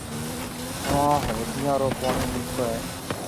اُوئون هوديون رو پوڻِي مِٺو هيَ۔